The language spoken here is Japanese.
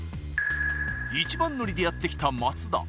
一番乗りでやってきた松田。